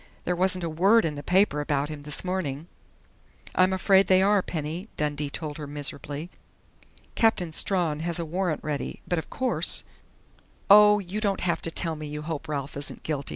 There wasn't a word in the paper about him this morning " "I'm afraid they are, Penny," Dundee told her miserably. "Captain Strawn has a warrant ready, but of course " "Oh, you don't have to tell me you hope Ralph isn't guilty!"